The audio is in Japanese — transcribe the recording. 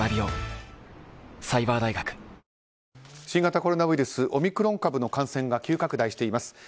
新型コロナウイルスオミクロン株の感染が急拡大しています。